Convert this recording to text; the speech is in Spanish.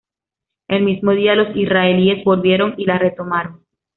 El mismo día, los israelíes volvieron y la retomaron.